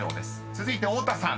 ［続いて太田さん］